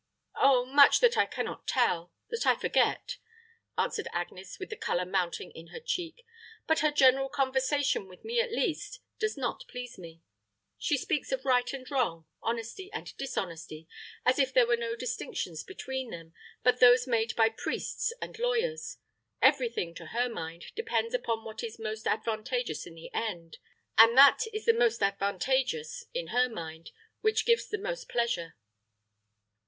"Oh, much that I can not tell that I forget," answered Agnes, with the color mounting in her cheek. "But her general conversation, with me at least, does not please me. She speaks of right and wrong, honesty and dishonesty, as if there were no distinctions between them but those made by priests and lawyers. Every thing, to her mind, depends upon what is most advantageous in the end; and that is the most advantageous, in her mind, which gives the most pleasure."